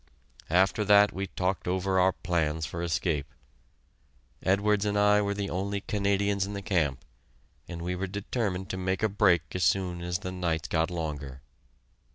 After that we talked over our plans for escape. Edwards and I were the only Canadians in the camp, and we were determined to make a break as soon as the nights got longer.